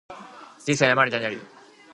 人生は山あり谷あり